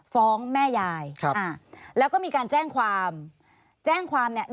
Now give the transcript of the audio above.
ฟ้องแม่ยายแล้วก็มีการแจ้งความแจ้งความเนี่ย